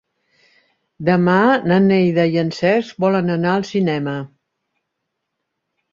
Demà na Neida i en Cesc volen anar al cinema.